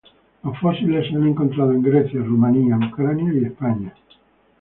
Los fósiles se han encontrado en Grecia, Rumania, Ucrania y España.